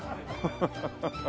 ハハハハハ！